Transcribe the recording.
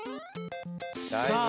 さあ